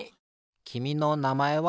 きみのなまえは？